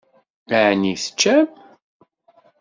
Ɛni teččam?